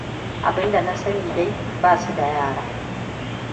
Abinda na sani dai, ba su da yara.